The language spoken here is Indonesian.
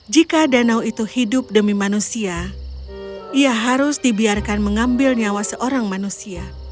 jika danau itu hidup demi manusia ia harus dibiarkan mengambil nyawa seorang manusia